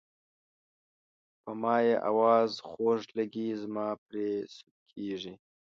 په ما یې اواز خوږ لګي زما پرې سود کیږي.